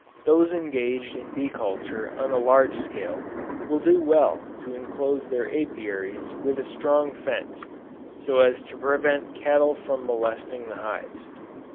Those engaged in bee culture on a large scale, will do well to enclose their Apiaries with a strong fence, so as to prevent cattle from molesting the hives.